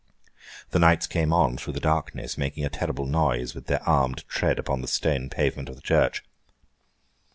The knights came on, through the darkness, making a terrible noise with their armed tread upon the stone pavement of the church.